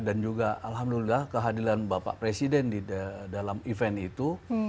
dan juga alhamdulillah kehadiran bapak presiden di dalam event itu